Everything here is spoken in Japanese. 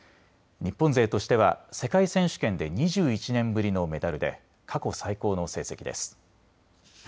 日本勢としては世界選手権で２１年ぶりのメダルで過去最高の成績です。